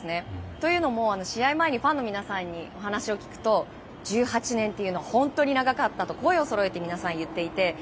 というのも試合前にファンの皆さんにお話を聞くと１８年というのは本当に長かったと声をそろえて皆さん、言っていて。